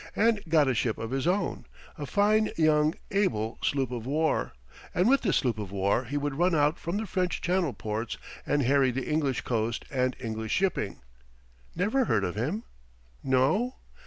And got a ship of his own a fine, young, able sloop of war, and with this sloop of war he would run out from the French channel ports and harry the English coast and English shipping. Never heard of him? No?